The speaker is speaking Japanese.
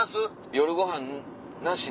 夜ごはんなしに。